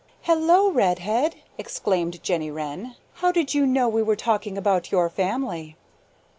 "Hello, Redhead!" exclaimed Jenny Wren. "How did you know we were talking about your family?"